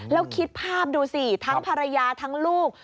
แล้วคิดภาพดูสิทั้งภรรยาทั้งลูก